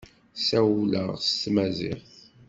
Ssawleɣ s tmaziɣt.